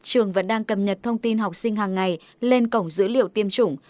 trường vẫn đang cập nhật thông tin học sinh hàng ngày lên cổng dữ liệu tiêm chủng